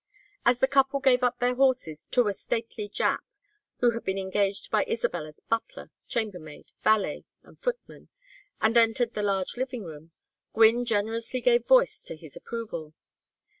As the couple gave up their horses to a stately Jap, who had been engaged by Isabel as butler, chambermaid, valet, and footman, and entered the large living room, Gwynne generously gave voice to his approval.